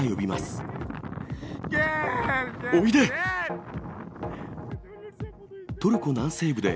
おいで！